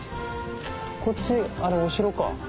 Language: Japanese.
こっちあれお城か。